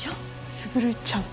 卓ちゃん？